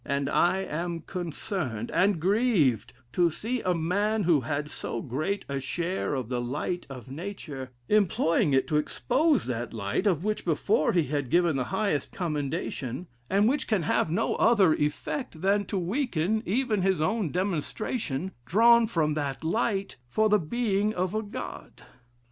And I am concerned, and grieved, to see a man, who had so great a share of the light of nature, employing it to expose that light, of which before he had given the highest commendation; and which can have no other effect, than to weaken even his own demonstration, drawn from that light, for the being of a God.